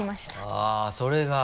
あっそれが。